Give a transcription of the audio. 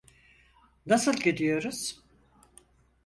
Nasıl gidiyoruz?